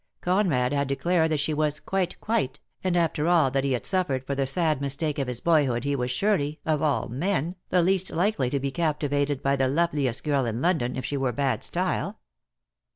Conrad had declared that she was "quite quite," and after all that he had suffered for the sad mistake of his boyhood he was surely, of all men, the least likely to be captivated by the loveliest girl in London, if she were bad style.